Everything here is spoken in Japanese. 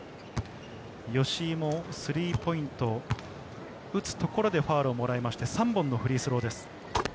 吉井もスリーポイントを打つところでファウルをもらいまして、３本のフリースローです。